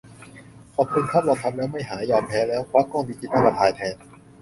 ขอบคุณครับ ลองทำแล้ว ไม่หาย : ยอมแพ้แล้ว ควักกล้องดิจิทัลมาถ่ายแทน